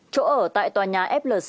chỗ ở tại tòa nhà flc đường văn hà